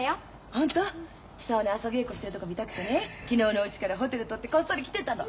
久男の朝稽古してるとこ見たくてね昨日のうちからホテル取ってこっそり来てたの。